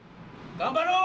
頑張ろう。